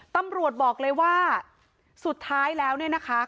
ตำรวจบอกเลยว่าสุดท้ายแล้วเนี่ยนะคะ